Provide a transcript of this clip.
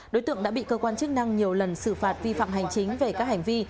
đối tượng đã bị cơ quan chức năng nhiều lần xử phạt vi phạm hành chính về các hành vi